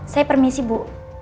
saya permisi bu